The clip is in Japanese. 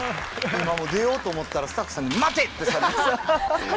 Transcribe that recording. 今出ようと思ったらスタッフさんに初めてそこで。